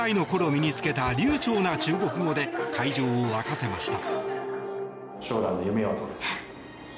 身に付けた流ちょうな中国語で会場を沸かせました。